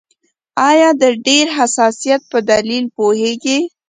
آیا د ډېر حساسیت پر دلیل پوهیږئ؟